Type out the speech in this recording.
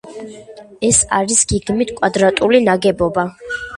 ეს არის გეგმით კვადრატული ნაგებობა.